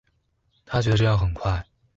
她覺得這樣很快